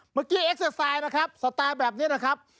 เมื่อกี้อักษัยนะครับสไตล์แบบนี้นะครับ